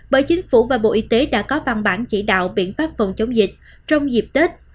bởi chính phủ và bộ y tế đã có văn bản chỉ đạo biện pháp phòng chống dịch trong dịp tết